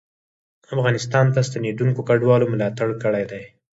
افغانستان ته ستنېدونکو کډوالو ملاتړ کړی دی